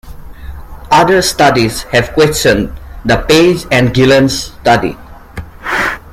Other studies have questioned the Page and Gilens study.